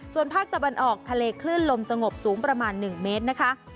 ส่วนภาคตะวันออกทะเลคลื่นลมสงบสูงประมาณ๑เมตรนะคะ